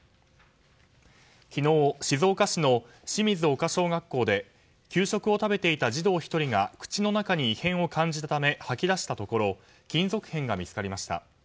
昨日、静岡市の清水岡小学校で給食を食べていた児童１人が口の中に異変を感じたため吐き出したところ金属片が見つかりました。